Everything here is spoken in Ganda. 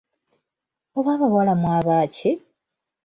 Oba abawala mwaba ki!